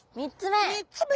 ３つ目。